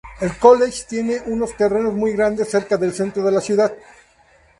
El college tiene unos terrenos muy grandes, cerca del centro de la ciudad.